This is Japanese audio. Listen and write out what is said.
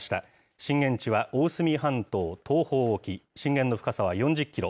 震源地は大隅半島東方沖、震源の深さは４０キロ。